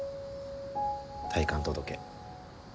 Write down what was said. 退官届。